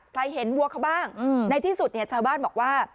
ใครเห็นวัวเขาบ้างในที่สุดเนี่ยชาวบ้านบอกว่า